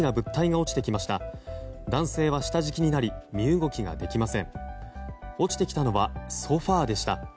落ちてきたのはソファでした。